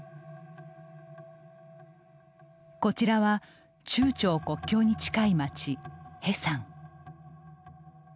こちらは、中朝国境に近い町ヘサン。